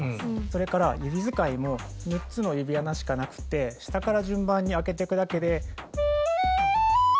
それから指遣いも６つの指穴しかなくて下から順番に開けていくだけで。